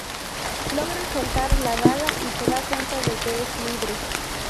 Logra soltar la daga y se da cuenta de que es libre.